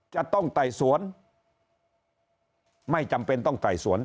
จะต้องไต่สวนไม่จำเป็นต้องไต่สวน